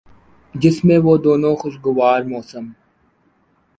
جس میں وہ دونوں خوشگوار موسم